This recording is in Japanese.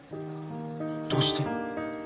どうして？